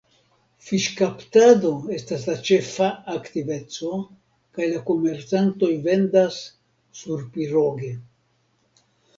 Fiŝkaptado estas la ĉefa aktiveco kaj la komercantoj vendas surpiroge.